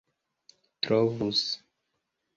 trovus